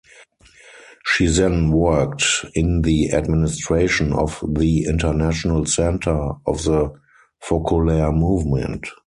She then worked in the administration of the international center of the Focolare Movement.